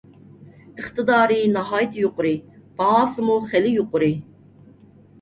ئىقتىدارى ناھايىتى يۇقىرى، باھاسىمۇ خىلى يۇقىرى.